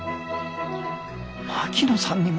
槙野さんにも。